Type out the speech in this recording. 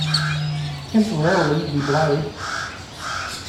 Temporarily be blowed.